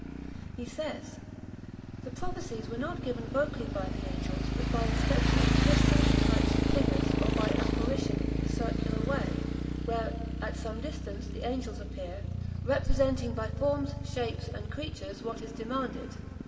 He says, "The prophecies were not given vocally by the angels, but by inspection of the crystal in types and figures, or by apparition the circular way; where, at some distance, the angels appear, representing by forms, shapes, and creatures, what is demanded.